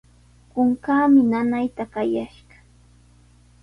Kunkaami nanayta qallashqa.